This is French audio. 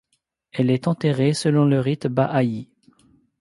Elle est enterrée selon le rite bahai'i.